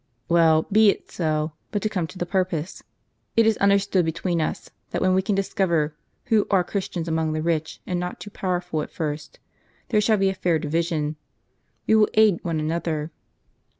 " Well, be it so ; but to come to the purpose. It is under stood between us, that when we can discover wdio are Christians among the rich, and not too powerful at first, there shall be a fair division. We w^ill aid one another.